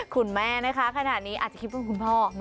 คุณแม่นะคะขนาดนี้อาจจะคิดว่าคุณพ่อ